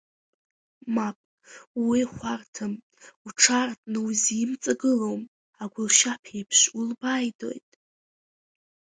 Мап, уи хәарҭам, уҽаартны узимҵагылом, агәылшьап еиԥш улбааидоит.